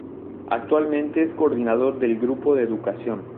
Actualmente es coordinador del grupo de Educación.